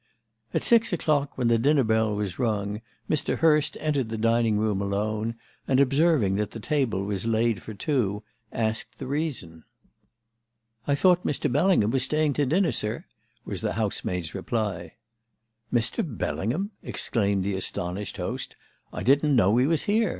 "At six o'clock, when the dinner bell was rung, Mr. Hurst entered the dining room alone, and, observing that the table was laid for two, asked the reason. "'I thought Mr. Bellingham was staying to dinner, sir,' was 'The housemaid's' reply. "'Mr. Bellingham!' exclaimed the astonished host. 'I didn't know he was here.